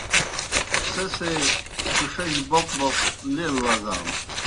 سہ سے ݜِݜِجیْ بَوْق بَوْق لیل وزانوْ۔